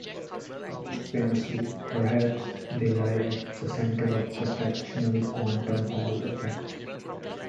Most famously, perhaps, they lie at the center of the fractional quantum Hall effect.